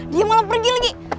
dia malah pergi lagi